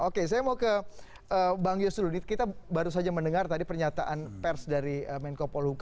oke saya mau ke bang yos dulu kita baru saja mendengar tadi pernyataan pers dari menko polhuka